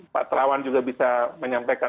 pak terawan juga bisa menyampaikan